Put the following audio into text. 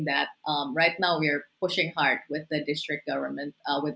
sekarang kami mencoba dengan pemerintah